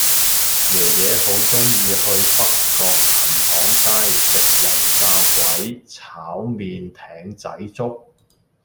爺爺好鍾意去北角琴行街食油炸鬼炒麵艇仔粥